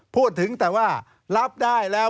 พูดถึงแต่ว่ารับได้แล้ว